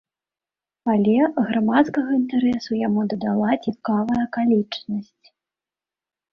Але грамадскага інтарэсу яму дадала цікавая акалічнасць.